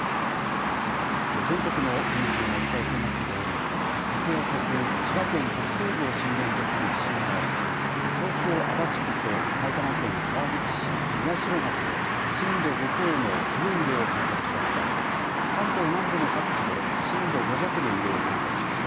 全国のニュースでもお伝えしていましたとおり、昨夜遅く、千葉県北西部を震源とする地震があり、東京・足立区と埼玉県川口市、宮代町で、震度５強の強い揺れを観測したほか、関東南部の各地で震度５弱の揺れを観測しました。